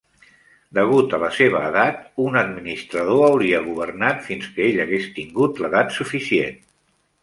Degut a la seva edat, un administrador hauria governat fins que ell hagués tingut l'edat suficient.